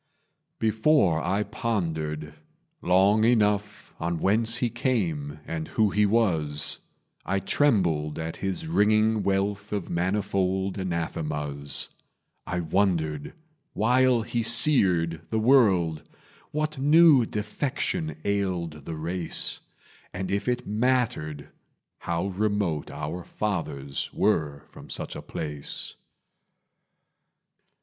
Before I pondered long enough On whence he came and who he was, I trembled at his ringing wealth Of manifold anathemas; I wondered, while he seared the world, What new defection ailed the race, And if it mattered how remote Our fathers were from such a place.